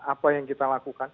apa yang kita lakukan